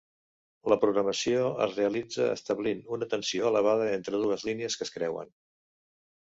La programació es realitza establint una tensió elevada entre dues línies que es creuen.